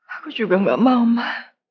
aku juga gak mau mah